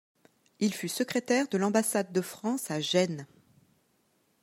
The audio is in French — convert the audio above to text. Il fut secrétaire de l'ambassade de France à Gênes.